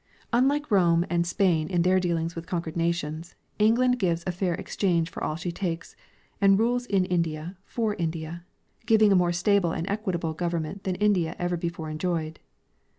Unlike Rome and Spain in their dealings with conquered nations, England gives a fair exchange for all she takes, and rules in India for India, giving a more stable and equitable gov ernment than India ever before enjoyed.